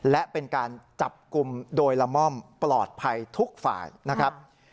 และเป็นการจับกลุ่มโดยละม่อมปลอดภัยทุกฝ่ายนะครับ